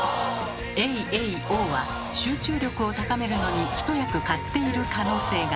「エイエイオー」は集中力を高めるのに一役買っている可能性が。